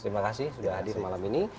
terima kasih sudah hadir malam ini